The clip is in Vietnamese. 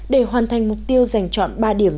để hoàn thành mục tiêu dành chọn ba điểm